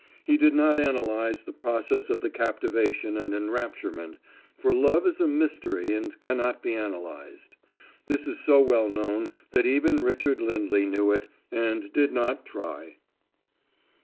He did not analyze the process of the captivation and enrapturement for love is a mystery and cannot be analyzed. This is so well known that even Richard Lindley knew it, and did not try!